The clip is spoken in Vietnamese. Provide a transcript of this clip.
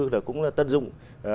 là cũng tận dụng